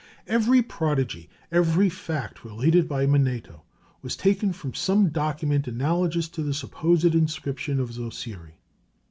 Every prodigy, every fact related by Manetho, was taken from some document analogous to the supposed inscription of Zosiri.